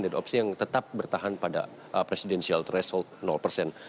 dan opsi yang tetap bertahan pada presidential threshold persen